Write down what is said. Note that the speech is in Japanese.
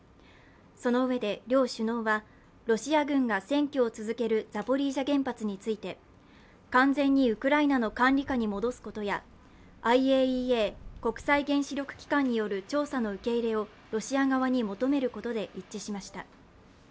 そのうえで両首脳は、ロシア軍が占拠を続けるザポリージャ原発について完全にウクライナの管理下に戻すことやＩＡＥＡ＝国際原子力機関による調査の受け入れをロシア側に求めることで一致しました。